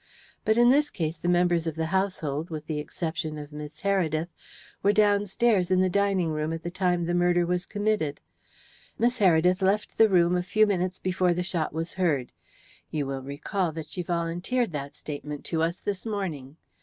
But in this case the members of the household, with the exception of Miss Heredith, were downstairs in the dining room at the time the murder was committed. Miss Heredith left the room a few minutes before the shot was heard. You will recall that she volunteered that statement to us this morning.